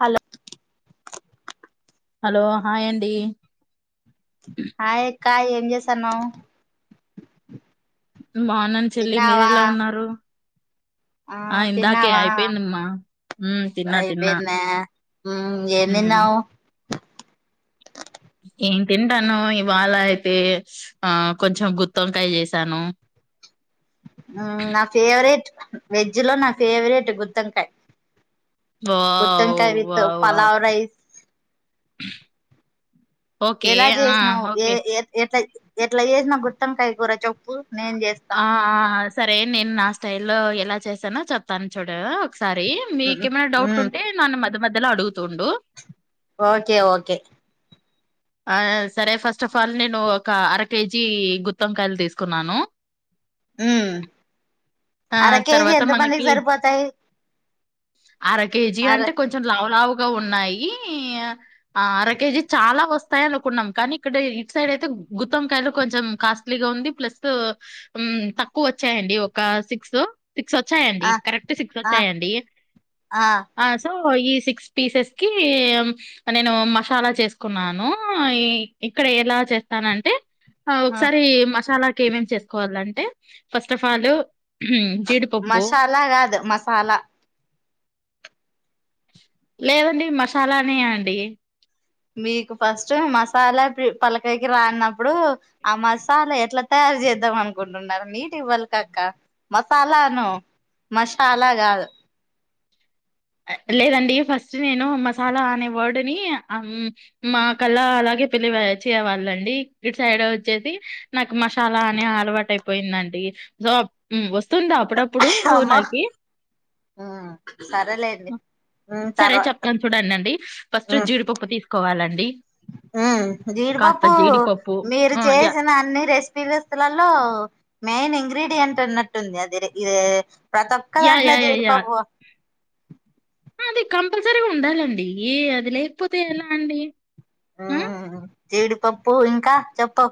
Hello hello hi అండి hi అక్క ఎంజసన్నావ్ బాన్నన్ చెల్లి మీర ఎలా ఉన్నారు ఆ ఇందాకే అయిపోయిందమ్మా హ తిన్నా తిన్నా ఉమ్ ఏం హ్మ్ తిన్నావు ఏం తింటానవ్ ఇవాళ అయితే ఆ కొంచెం గుత్త్ వంకాయ చేసాను. ఊ నా ఫేవరెట్ వెజ్ లో నా ఫేవరెట్ గుత్తంకాయ్ వావ్ గుత్తంకాయ with wow wow pulao rice okay ఎలా ఆ జేసినవ్ ఏ ఓకే ఎట్లా జేసినవ్ గుత్తం కాయ్ కూర చెప్ ఆ ఆ సరే నేను నా స్టైల్ లో ఎలా చేస్తానో చెప్తాను చూడు ఒకసారి మ్మ్ మీకేమైనా డౌట్లు మ్మ్ ఉంటే నన్ను మధ్య మధ్యలో అడుగుతుండు. ఓకే ఓకే ఆ సరే ఫస్ట్ ఆఫ్ ఆల్ నేను ఒక అర కేజీ గుత్తింకాయలు తీసుకున్నాను. ఉమ్ ఆ అర కేేజీ తర్వాత ఎంత మందికి మనకి సరిపోతాయి. అర కేజీ అర అంటే కొంచెం లావు లావు ఉన్నాయి అర కేజీ చాలా వస్ యి అనుకున్నాం కానీ ఇక్కడ ఇటు సైడ్ అయితే గుత్తంకాయలు కొంచెం కాస్ట్లీ గా ఉంది ప్లస్ తక్కువ వచ్చాయండి ఒక సిక్స్ సిక్స్ వచ్చాయండి ఆ కరెక్ట్ సిక్స్ ఆ వచ్చాయండి ఆ సో ఈ సిక్స్ పీసెస్ కి నేను మసాలా చేసుకుంటున్నాను. ఇక్కడ ఎలా చేస్తానంటే ఒకసారి మసాలా ఏమేం చేసుకోవాలంటే ఫస్ట్ ఆఫ్ ఆల్ ఉమ్ జీడుపప్పు మసాలా కాదు మసాలా లేదండి మసాలానే అండి మీకు ఫస్ట్ మసాలా పలకాయకి రానప్పుడు ఆ మసాలా ఎట్లా తయ చేద్దాం అనుకుంటున్నారు నీట్ ఇవ్వాలి కక్క మసాలాను మషాలా కాదు లేదండి ఫస్ట్ నేను మసాలా అనే వర్డు ని అమ్ మా కల్లా అలాగే పిళ్లిచేవాళ్ళండి ఇటు సైడ్ వచ్చేసి నాకు మసాలా అని అలవాటు అయిపోయిందండి. సో వస్తుందా అప్పుడప్పుడు అమ్మా నాకి సరేలేండి సరే తర్వాత చెప్తాను చూడండండి ఫస్ట్ జీడిపప్పు తీసుకోవాలండ్ జీడిపప్పు జీడిపప్పు మీరు ఆ యా చేసిన అన్ని రెసిపీలస్తులలో మెయిన్ ఇ గ్రీడియంట్ అన్నట్టుంది అది ఇది ప్రతి ఒక్క యా దాంట్లో యా జీడిపప్పు ఆ అది కంపల్సరీగా ఉండాలండి అది లేకపోతే ఎలా అండి ఆ ఉమ్ జీడిపప్పు ఇంకా చెప్పు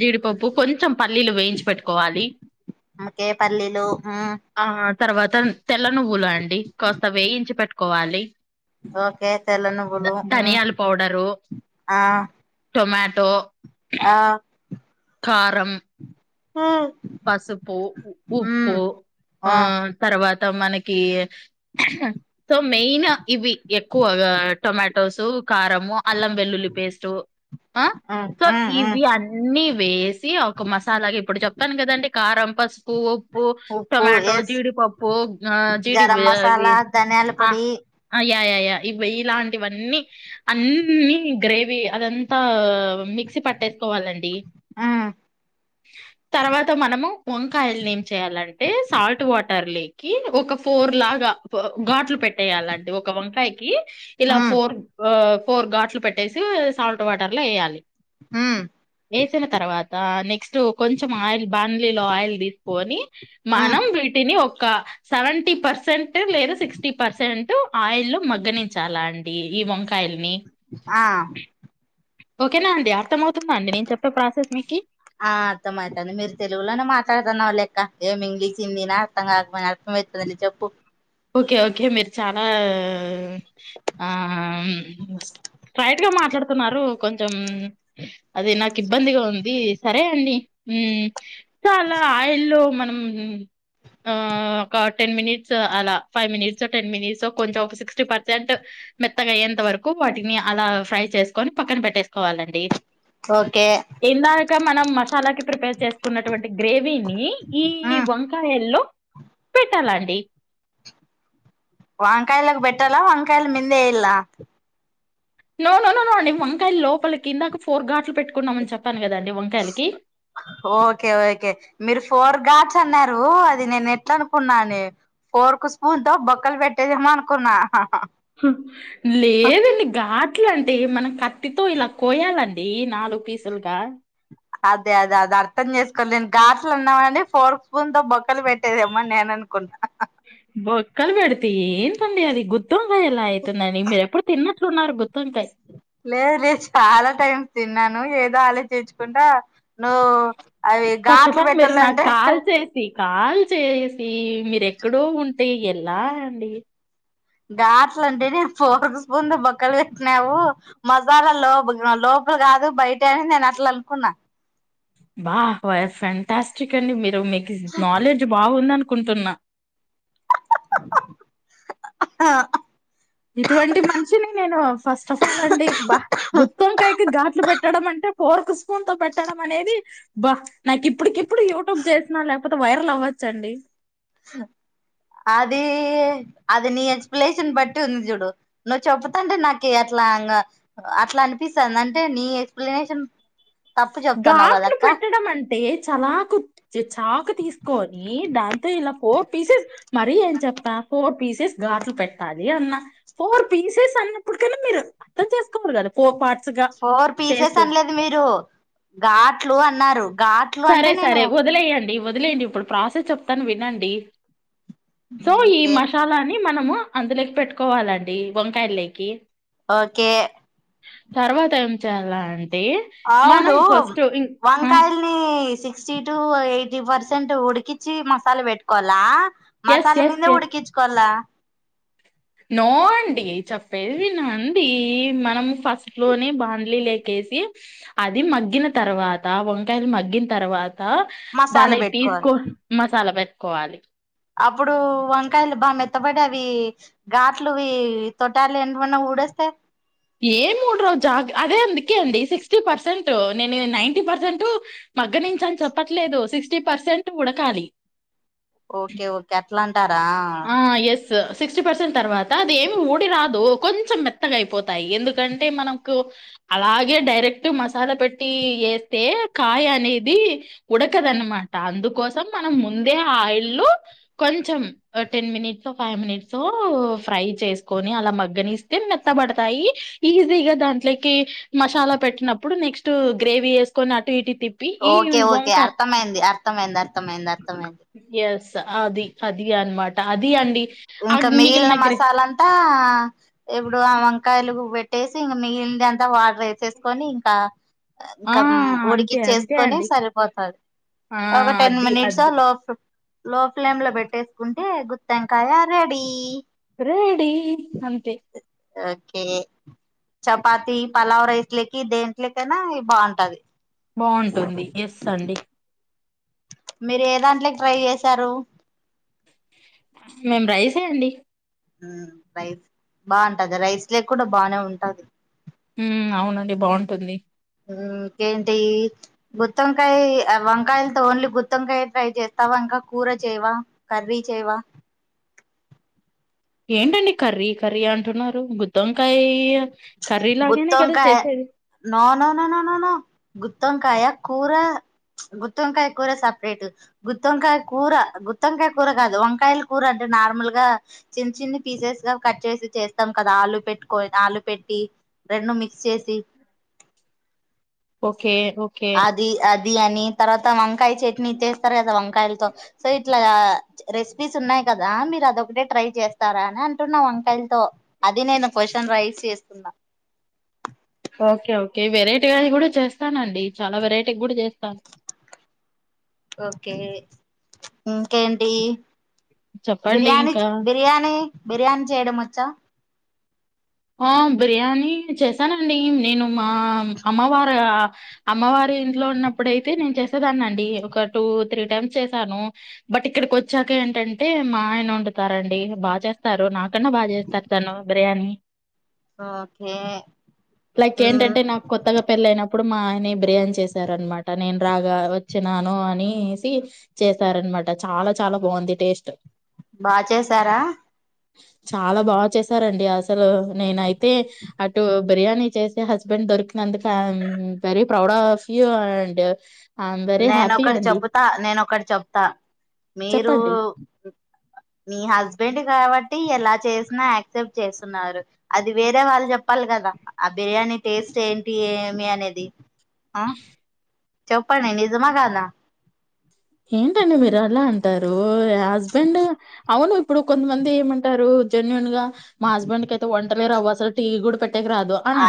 జీడిపప్పు కొంచెం పల్లీలు వేయించి పెట్టుకోవాలి ఓకే పల్లీలు ఆ తర్వాత తెల్ల నువ్వులు అండి కాస్త వేయించి పెట్టుకోవాలి ఓకే తెల్ల ధ నువ్వులు ధనియాల పౌడరు ఆ టొమాట్ టో ఆ కారం మ్మ్ పసుపు ఉప్పు ఆ తర్వాత మనకి సో మెయిన్ ఇవి ఎక్కువ టొమాటోస్ కారము అల్లం వెల్లుల్లి పేస్టు ఆ మ్మ్ సో మ్మ్ మ్మ్ ఇవి అన్నీ వేసి ఒక మసాలాగా ఇప్పుడు చెప్పను కదండి కారం పసుపు ఉప్పు ఉప్పు టొమాటో ఎస్ జీడిపప్పు ఆ జీడి వే వా ధనే ఆ ఆ యయ య ఇ ఇలాంటివన్నీ అన్ని అన్ని గ్రేవి అదంతా మిక్సీ పట్టేసుకోవాలండి మ్మ్ తర్వాత మనము వంకాయల్ని ఏం చేయాలంటే సాల్ట్ వాటర్ లేకి ఒక ఫోర్ లాగా ఘాట్లు పెట్టేయాలండి ఒక వంకాయకి ఇలా మ్మ్ ఫోర్ ఫోర్ ఘాట్లు పెట్టేసి సాల్ట్ వాటర్ లో వేయాలి మ్మ్ ఏసిన తర్వాత నెక్స్ట్ కొంచ్ మాయిల్ బాండ్లీలో ఆయిల్ తీసుకని మ్మ్ మనం వీటిని ఒక సెవెంటి పర్సెంట్ లేదా సిక్స్టీ పర్సెంట్ ఆయిల్ మగ్గనించాలా అండి ఈ వంకాయల్ని ఆ ఓకేనా అండి అర్థమవుతుందా అండి నేను చెప్పే ప్రాసెస్ మీకి ఆ అర్థం అతుంది మీరు తెలుగులోనే మాట్డుతున్నావు లెక్క ఏమి ఇంగ్లీష్ హిందీని అర్థం కాకపో అం వెత్తంది చెప్పు ఓకే ఓకే మీరు చానా ఆ స్ట్రైట్ గా మాట్లాడుతున్నారు కొంచెం అది నాకు ఇబ్బందిగా ఉంది సరే అండి చాలా ఆయిల్ లో మనం ఆ ఒక టెన్ మినిట్స్ అలా ఫైవ్ మినిట్సో టెన్ మినిట్సో కొంచెం ఒక సిక్స్టీ పర్సెంట్ మెత్తగా అయ్యేంత వరకు వాటిని అలా ఫ్రై చేసుకొని పక్కన పెట్టేసుకోవాలండి ఓకే ఇందాక మనం మసాలాకిి ప్రిపేర్ చేసుకున్నటువంటి గ్రేవీ విని ఈ మ్మ్ వంకాయల్లో పెట్టాలండి వంకాయలకు పెట్టాల వంకాయల మిందేయాలా నోనోనోనో అండి వంకాయలు లోపలికి ఇందాక ఫోర్ ఘాట్లు పెట్టుకున్నామని చెప్పాను కద ఓకే ఓకే మీరు ఫోర్ ఘాట్స్ అన్నారు అది నేను ఎట్లా అనుకున్నాను ఫోర్కు స్పూన్ తో బొక్కలు పెట్టేదేమో అనుకున్నా లేదండి ఘాట్లం అంటే మనం కత్తితో ఇలా కోయాలండి నాలుగు పీసులుగా అదే అదే అది అర్థం చేసుకోవాలి నేను ఘాట్లు అన్నావని ఫోర్క్ స్పూన్ తో బొక్కలు పెట్టేదేమో నేన్ అన్ కున్న బొక్కలు పెడితె ఏంతండి అది గుత్తు వంకాయ్ ఎలా అయితుందండి మీరెప్పుడు తిన్న ఉన్నారు గుత్ లేదు లేదు చాలా టైమ్ తిన్నాను ఏదో ఆలో చేంచుకుంటా నువ్వు అవి ఫస్ట్ ఆఫ్ ఘాట్లు ఆల్ మీరు నాకు పెట్టాలంటే కాల్ చేసి కాల్ చేసి మీరు ఎక్కడో ఉంటే ఎలా అండి ఘాట్ల అంటే నేను ఫోర్ స్పూన్ బొక్కలు పెట్టినావు మసాలా లో లో లోపల గాదు బయట అని నేను అట్లా అనుకున్నా బా ఫ్యాంటాస్టిక్ అండి మీరు మీకు నాలెడ్జ్ బాగుంది అను కుంటున్నా ఆ హాఆ ఇటువంటి మంచిని నేను ఫస్ట్ ఫ్ల్ అండి బా గుత్తంవోయకి ఘాట్లు పెట్టడం అంటే పోర్క్ స్పూన్ తో పెట్టడం, అనేది బా నాకు ఇప్పటికిప్పుడు యూట్యూబ్ చేసిన లేకపోతే వైరల్ అవ్ చ్చండి హ అది అది నీ ఎక్స్ప్లనేషన్ బట్టి ఉంది చూడు నువ్వు చెప్తంటే నాకు అట్లా అలాగ అట్లా అనిపిస్తది, అంటే నీ ఎక్స్ప్లెనేషన్ తప్పు చెప్తున్నావు ఘాట్లు కదక్క పెట్టడం అంటే చలాకు చాకు తీసుకొని దాంతో ఇలా పోట్ పీసెస్ మరి ఏం చెప్పా ఫోర్ పీసెస్ ఘాట్లు పెట్టాలి అన్న ఫోర్ పీసెస్ అన్న ఇప్పుటికన్నా మీరు అర్థం చేసుకోవాలి కదా ఫోర్ పాట్ ఫోర్ పీసెస్ అనలేదు, మీరు ఘాట్లు అన్నారు ఘాట్లు సరే అంటే నేను సరే వదిలేయండి వదిలేడి ఇప్పుడు ప్రాసెస్ చెప్తాను, వినండి సో ఈ ఓకే మసాలాని మ మనము అందులోకి పెట్టుకోవాలండి వంకాయ లేకి ఓకే తర్వాత ఏం చేయాలా అం అవును వంకాయల్ని సిక్స్టీ టు ఎయిటీ పర్సెంట్ ఉడికించి మసాలా పెట్టుకోవలా ఎస్ మసాలా ఎస్ మీదనే ఎస్ ఉడ్కించుకోల్లా నో అండి చెప్పేదినండి, మనం ఫస్ట్ లోనే బాండ్లీ లేకే సి అది మగ్గిన తర్వాత వంకాయలు మగ్గిన తర్వాత మసాలా దాన్ని పెట్టుకోవాలి తీసుకోనీ మసాలా పెట్టుకోవాలి అప్పుడు వంకాయలు బా మెత్తపడి అవి ఘాట్లువి తొటాలు ఎంటన్నా ఊడ వస్తే ఏ ఉడ రోజు జా అదే అందుకే అండి సిక్స్టీ పర్సెంట్ నేను నైన్ంటి పర్సెంట్ మగ్గ నుంచి అని చెప్పట్లేదు సిక్స్టీ పర్సెంట్ ఉడకాలి ఓకే ఓకే అట్లాంటారా ఆ ఎస్ సిక్స్టీ పర్సెంట్ తర్వాత అది ఏమి ఊడి రాదు కొంచెం మెత్తగా అయిపోతాయి, ఎందుకంటే మనకు అలాగే డైరెక్ట్ మసాలా పెట్టి వేస్తే కాయ అనేది ఉడకదనమాట అందుకోసం మనం ముందే ఆయిల్ లో కు కొంచెం టెన్ మినిట్స్ ఫైవ్ మినిట్స్ఫ్రై చేసుకొని అలా మగ్గనిస్తే మెత్తబడతాయి ఈజీగా దాంట్లోకి మసాలా పెట్టినప్పుడు నెక్స్ట్ గ్రేవీ ఎసుకొని అటు ఇటు తిప్పి ఈ ఓకే ఓకే వంకాయ అర్థమైంది అర్థమైంది అర్థమైంది అర్థమైంది ఎస్ అది అది అనమాట అది అండి ఇంకా మిగిలిన మీకు మసాలాంతా ఇప్పుడు ఆ వంకాయలు పెట్టేసి ఇంక మిగిలిన అంతా వాటర్ ఎసేసుకొని ఇంకా ఆ! ఇంకా అంతే. అంతే ఉడికిచ్చేసుకొని అండి. సరిపోతాది ఆ! ఒక టెన్ అది. మినిట్స్ అది. లోఫ్ లో ఫ్లేమ్ లో పెట్టేసుకుంటే గుత్తివంకాయ రెడీ రెడి అంతే ఓకే చపాతి, పలావ్ రైస్లకి దేంట్లోకైనా ఇది బావుంటాది. బావుంటుంది ఎస్ అండి. మీరు ఏ దాంట్లోకి ట్రై చేసారు. మేము రైసే అండి. రైస్ బావుంటది రైస్ లకి కూడా బానే ఉంటాది. హ్మ్ అవునండి బావుంటుంది. హ్ ఇంకేంటి గుత్తోంకాయ్ వంకాయలతో ఓన్లీ గుత్తోంకాయ ట్రై చేస్తావా. ఇంకా కూర చేయవా, కర్రీ చేయవా? ఏంటండి కర్రీ కర్రీ అంటున్నారు గుత్తోంకాయ్ గుత్తోంకాయ నో నో నో నోనోనో గుత్తోంకాయ కూర గుత్తోంకాయ కూర సపరేట్ గుత్తోంకాయ కూర గుత్తొంకాయ కూర కాదు వంకాయలు కూర అంటే నార్మల్ గా చిన్న చిన్న పీసెస్ గా కట్ చేసి చేస్తాం కదా ఆలు పెట్టుకని ఆలు పె ట్టి రెండు మిక్స్ చేసి. Okay okay. అది అది అని తర్వాత వంకాయ చట్నీ చేస్తారు కదా వంకాయలతో. సో ఇట్లా రెసిపీస్ ఉన్నాయి కదా మీ మీరు అదొకటే ట్రై చేస్తారా అని అంటున్నా వంకాయలతో అది నేను క్వశ్చన్ రైజ్ చేస్తున్నా. ఓకే ఓకే వెరైటీగా అది కూడా చేస్తానండి. చాలా వెరైటీగా కూడా చేస్తాను. ఓకే. ఇంకేంటి? చెప్పండి బిర్యానీ ఇంకా. బిర్యానీ బిర్యానీ చేయడం వచ్చా ఆ బిర్యానీ చేశానండి. నేను మా అమ్మవారు అమ్మవా ళ్ళ ఇంట్లో ఉన్నప్పుడుయితే నేను చేసేదాన్ని అండి. ఒక టూ త్రీ టైమ్స్ చేసాను బట్ ఇక్కడికి వచ్చా కా ఏంటంటే మా ఆయన వండుతారండి. బాచేస్తారు నాకన్నా బాగా చేస్తారు తను బిర్యానీ. ఓకే లైక్ ఏంటంటే నాకు కొత్తగా పెళ్ళయినప్ ప్పుడు మా ఆయనే బిర్యానీ చేసారనమాట నేను రాగా వచ్చినాను అనేసి చేసారన్ మాట చాలా చాలా బావుంది టేస్ట్. బా చేసారా? చాలా బాగా చేసారండి అసలు. నేనైతే అటు బిర్యానీ చేసే హస్బెండ్ దొరికినందుకు ఆమ్ వెరీ ప్రౌడ్ ఆఫ్ ఇ్య అండ్ ఐఎమ్ వెరీ హ్యాపీ నేనొకటి అండి చెపుతా నేనొకటి చెపుతా మీరు చెప్పండి మీ హస్బెండ్ కావా ట్టి ఎలా చేసినా యాక్సెప్ట్ చేస్తున్నారు. అది వేరే వాళ్ళు చెప్పాలి కదా ఆ బిర్యానీ టేస్ట్ ఏంటి ఏమి అనేది ఆ చెప్పండి నిజమా కదా. ఏంటండీ మీరు అలా అంటారు హస్బెండ్ అవును ఇప్పుడు కొంతమంది ఏమంటారు జెన్యుూన్ గా మా హస్బెండ్ కి అయితే వంటలెరావు అసలు టీ కూడా పె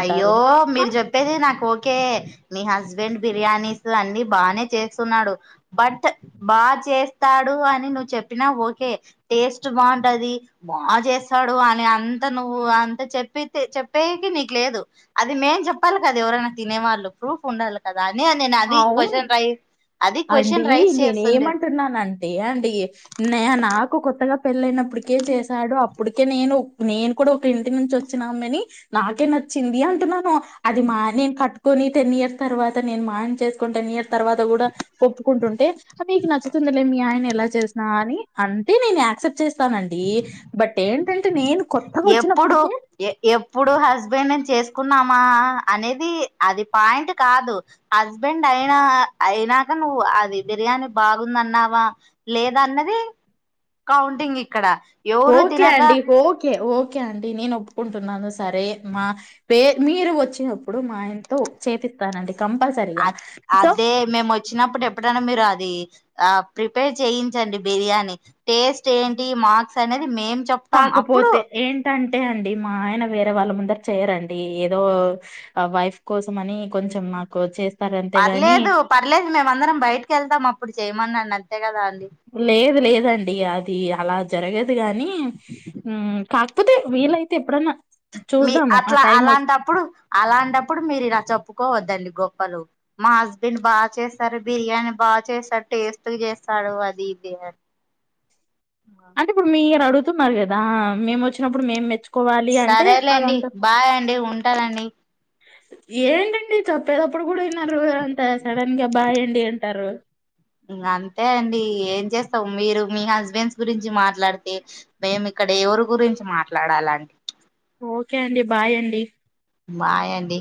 అయ్యో మీరు చెప్పేది నాకు ఓకే. మీ హస్బెండ్ బిర్యానీస్ అన్ని బానే చేస్తున్నాడు బట్ బాచేస్ స్తాడు అని నువ్వు చెప్పినా ఓకే. టేస్ట్ బావుంటది బా చేస్తాడు అని అంతా అంత నువ్వు అంత చెప్పితే చెప్పేకి నీకు ట్లేదు అది మేం చెప్పాలి కదా ఎవరైనా తినే వాళ్ళు ప్రూఫ్ ఉండాలి కదా. రనే నేను అది అవును క్వశ్చన్ రైస్ అది అండి క్వశ్చన్ నేను చేస్తుండే ఏమంటున్నానంటే అండి నే నాకు కు కొత్తగా పెళ్ళయినప్పటికే చేసాడు. అప్పటికే నేను నేను కూడా ఒక ఇంటి నుంచి వచ్చినామెని నాకే నచ్చింది అంటున్నాను. అది మా నేను కట్టుకొని టెన్ ఇయర్స్ తర్వాత నేను మా ఆయన చేసుకొని టెన్ ఇయర్స్ తర్వాత కూడా కుంటుంటే మీకు నచ్చుతుందిలే మీ ఆయన ఎలా చేసినా అని అంటే నేను యాక్సెప్ట్ చేస్ స్తానండి బట్ ఏంటంటే నేను కొత్తగా ఎప్పుడు వచ్చినప్పటికే ఎప్పుడు హస్బెండ్ ని చేసుకొని మా అనేది అది పాయింట్ కాదు హస్బెండ్ అయినా అయినాక అది బిర్యానీ బాగుందన్నావా లేదా అన్నది ప కౌంటింగ్ ఇక్కడ ఎవరు ఓకే తినక అండి ఓకే ఓ ఓకే అండి నేను ఒప్పుకుంటున్నాను సరే మా పే మీరు వచ్చినప్పుడు మా ఆయనతో చేపిస్తానండి కంపల్సరిగా అ సో అదే మేము వచ్చినప్పుడు ఎప్పుడైనా మీరు అది ఆ ప్రిపేర్ చేయించండి బిర్యానీ టేస్ట్ ఏంటి మార్క్స్ అనేది మేం చెప్తాం అప్పుడు కాకపోతే ఏంటన్ అంతే అండి మా ఆయన వేరే వాళ్ళ ముందర చేయరండి ఏదో ఆ వైఫ్ కోసం అని కొంచెం నాకు చేస్త పర్లేదు పర్లేదు మేమందరం బయటికి వెళ్తాం అప్పుడు చేయమన్నాని అంతే కదా అండి లేదు లేదండి అది అలా జరగద్ గాని కాకపోతే వీలైతే ఎప్పుడైనా చూద్దాము ఆ టైమ్ వస్తే అ అలాంటప్పుడు మీరు ఇలా చెపూ కోవద్దండి గొప్పలు మా హస్బెండ్ బాగా చేస్తారు బిర్యానీ బాగా చేస్తారు టేస్ట్ గా చేస్తారు అను అది ఇదీ అని అంటే ఇప్పుడు మీరు అడుగుతున్నారు కదా మేము వచ్చినప్పుడు మేము మెచ్చు సరేలేండి బాయ్ అండి ఉంటానండి ఏంటండి చెప్పేటప్పుడు కూడా విన్నారు అంత సడన్ గా బ్బాయ్ అండి అంటారు అంతే అండి ఏం చేస్తాం మీరు మీ హస్బెండ్స్ గురించి మాట్లా మాట్లాడితే మేం ఇక్కడ ఎవరి గురించి మాట్లాడాలండి ఓకే అండి బాయ్ అండి బాయ్ అండి